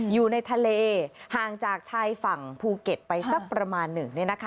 อยู่ในทะเลห่างจากชายฝั่งภูเก็ตไปสักประมาณหนึ่ง